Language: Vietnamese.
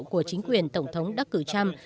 của chính quyền tổng thống đắc cử trump